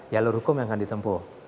jalur hukum yang akan ditempuh